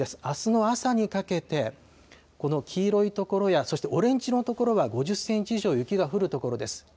あすの朝にかけて、この黄色い所やそしてオレンジの所は５０センチ以上、雪が降る所です。